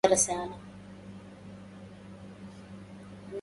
يعيش توم وماري في بيت بمحاذاة نهر